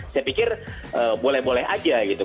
saya pikir boleh boleh aja gitu